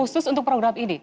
khusus untuk program ini